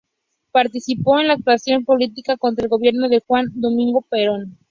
Participó en la actuación política contra el gobierno de Juan Domingo Perón.